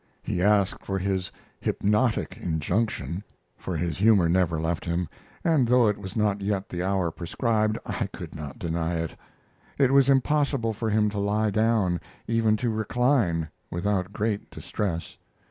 He asked for the "hypnotic 'injunction" (for his humor never left him), and though it was not yet the hour prescribed I could not deny it. It was impossible for him to lie down, even to recline, without great distress.